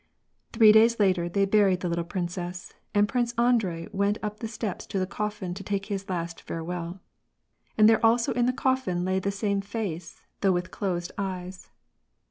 Three days later, they buriod the little princess, and Prince Andrei went up the steps to the coffin to take his last fare well. And there also in the coffin lay the same face, though with closed eyes.